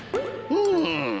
うん。